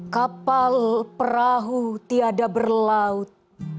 kapal perahu tiada berlaut